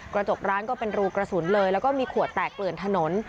กระจกร้านก็เป็นรูกระสุนเลยแล้วก็มีขวดแตกเกลื่อนถนน